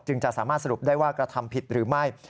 จะสามารถสรุปได้ว่ากระทำผิดหรือไม่